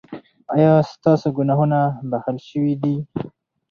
ایا ستاسو ګناهونه بښل شوي دي؟